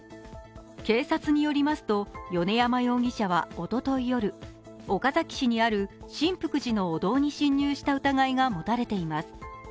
警察によりますと、米山容疑者はおととい夜、岡崎市にある真福寺のお堂に侵入した疑いが持たれています。